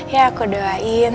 ya aku doain